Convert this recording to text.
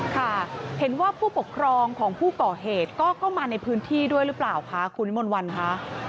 ค่ะเห็นว่าผู้ปกครองของผู้ก่อเหตุก็เข้ามาในพื้นที่ด้วยหรือเปล่าคะคุณวิมนต์วันคะ